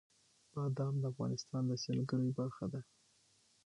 بادام د افغانستان د سیلګرۍ برخه ده.